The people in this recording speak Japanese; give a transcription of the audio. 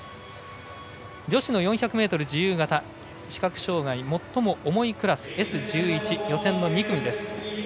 女子の４００ｍ自由形視覚障がい最も重いクラスＳ１１、予選の２組です。